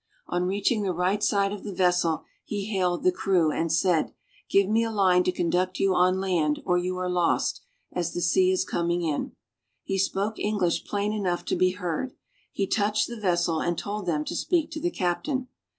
On reaching the right side of the vessel, he hailed the crew, and said, "Give me a line to conduct you on land, or you are lost, as the sea is coming in." He spoke English plain enough to be heard. He touched the vessel and told them to speak to the captain.